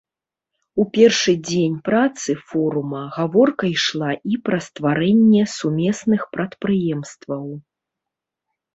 У першы дзень працы форума гаворка ішла і пра стварэнне сумесных прадпрыемстваў.